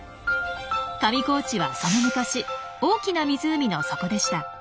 上高地はその昔大きな湖の底でした。